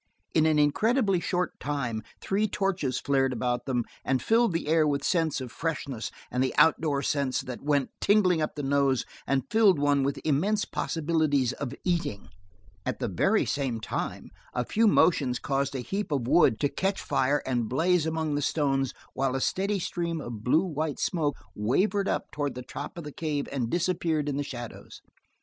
In an incredibly short time three torches flared about them and filled the air with scents of freshness and the outdoors scents that went tingling up the nose and filled one with immense possibilities of eating. At the very same time, a few motions caused a heap of wood to catch fire and blaze among the stones while a steady stream of blue white smoke wavered up toward the top of the cave and disappeared in the shadows.